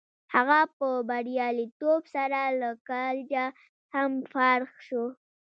هغه په بریالیتوب سره له کالجه هم فارغ شو